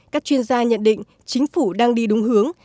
các chuyên gia nhận định chính phủ đang đi đúng hướng